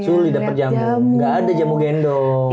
sulit dapet jamu gak ada jamu gendong